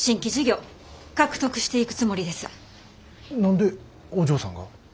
何でお嬢さんが？